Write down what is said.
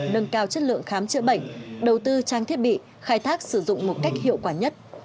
nâng cao chất lượng khám chữa bệnh đầu tư trang thiết bị khai thác sử dụng một cách hiệu quả nhất